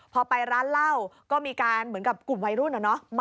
พอไปร้านเหล้าก็มีการเหมือนกับกลุ่มวัยรุ่นอะเนาะ